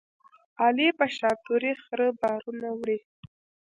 علي په شاتوري خره بارونه وړي.